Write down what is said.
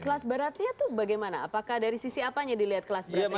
kelas beratnya itu bagaimana apakah dari sisi apanya dilihat kelas beratnya